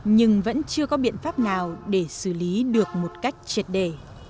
nhưng vẫn chưa có biện pháp nào để xử lý được một cách triệt đề